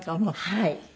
はい。